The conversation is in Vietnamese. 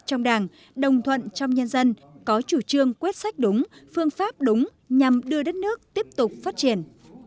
trong đảng đồng thuận trong nhân dân có chủ trương quyết sách đúng phương pháp đúng nhằm đưa đất nước tiếp tục phát triển